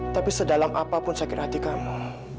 tapi sedalam apapun sakit hati kamu